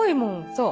そう。